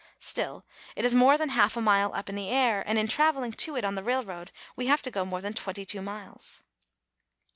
Still, it is more than half a mile high up in the air, and in traveling to it on the railroad we have to go more than twenty two miles.